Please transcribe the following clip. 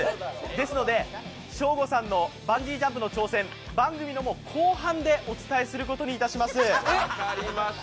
ですので、ショーゴさんのバンジージャンプの挑戦番組の後半でお伝えすることにいたします。